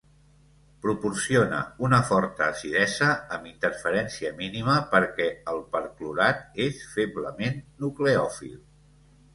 Proporciona una forta acidesa amb interferència mínima perquè el perclorat és feblement nucleòfil.